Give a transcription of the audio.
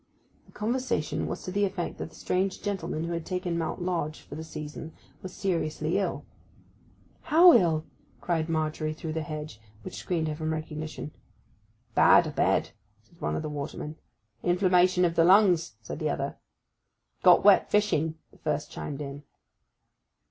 The conversation was to the effect that the strange gentleman who had taken Mount Lodge for the season was seriously ill. 'How ill?' cried Margery through the hedge, which screened her from recognition. 'Bad abed,' said one of the watermen. 'Inflammation of the lungs,' said the other. 'Got wet, fishing,' the first chimed in.